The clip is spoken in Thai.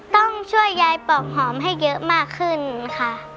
ต้องช่วยยายปอกหอมให้เยอะมากขึ้นค่ะ